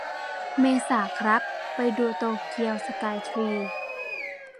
เมษาครับ ไปดูโตเกียวสกายทรี